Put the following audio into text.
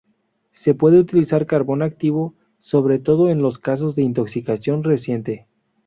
Se puede utilizar carbón activo, sobre todo en los casos de intoxicación reciente.